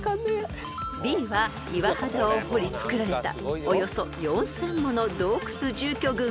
［Ｂは岩肌を堀り造られたおよそ４，０００もの洞窟住居群が美しい］